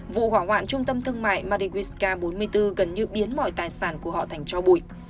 vụ hỏa hoạn trung tâm thương mại madrigisk bốn mươi bốn gần như biến mọi tài sản của họ thành cho bụi